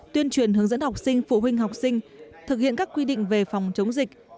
tuyên truyền hướng dẫn học sinh phụ huynh học sinh thực hiện các quy định về phòng chống dịch